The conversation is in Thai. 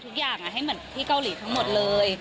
ให้สถานการณ์ทุกอย่างที่เกาหล่ยทั้งหมดเลย